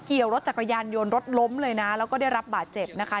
ขี่รถจักรยานยนต์รถล้มเลยนะแล้วก็ได้รับบาดเจ็บนะคะ